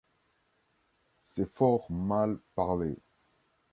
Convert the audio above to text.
C’est fort mal parler.